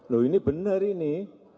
loh ini benar ini